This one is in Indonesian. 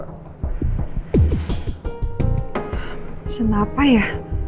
pesen apa ya